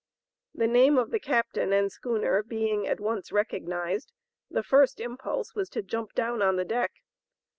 The name of the captain and schooner being at once recognized, the first impulse was to jump down on the deck.